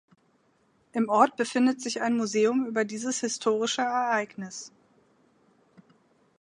Im Ort befindet sich ein Museum über dieses historische Ereignis.